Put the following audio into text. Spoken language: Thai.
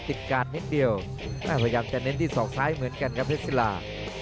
ติดการ์ดนิดเดียวแม่พยายามจะเน้นที่สองซ้ายเหมือนกันครับเทศศีลา